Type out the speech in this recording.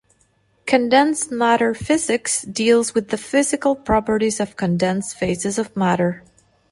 "Condensed matter physics" deals with the physical properties of condensed phases of matter.